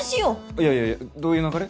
いやいやいやどういう流れ？